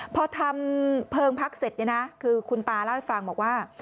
พอทำเพลิงพักเสร็จเนี่ยนะคือคุณตาเล่าให้ฟังบอกว่า